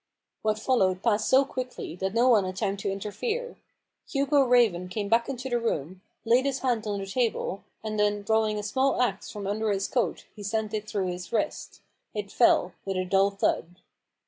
What followed passed so quickly, that no one had time to interfere, Hugo Raven came back into the room, laid his hand on the table, and then, drawing a small axe from under his coat, he sent it through his wrist. It fell with a dull thud.